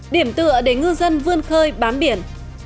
điểm tựa để ngư dân vươn khơi bám biển